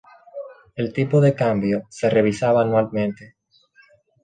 El tipo de cambio se revisaba anualmente.